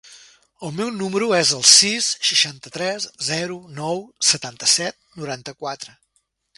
El meu número es el sis, seixanta-tres, zero, nou, setanta-set, noranta-quatre.